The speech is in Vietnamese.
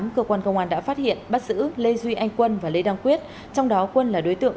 cơ quan công an đã phát hiện bắt giữ lê duy anh quân và lê đăng quyết trong đó quân là đối tượng